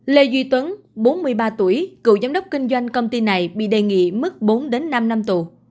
lê duy tuấn bốn mươi ba tuổi cựu giám đốc kinh doanh công ty này bị đề nghị mức bốn đến năm năm tù